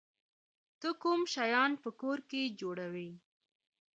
ته کوم شیان په کور کې جوړوی؟